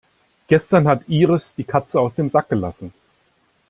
Gestern hat Iris die Katze aus dem Sack gelassen.